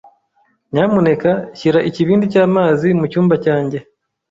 Nyamuneka shyira ikibindi cy'amazi mucyumba cyanjye.